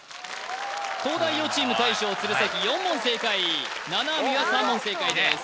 東大王チーム大将・鶴崎４問正解七海は３問正解です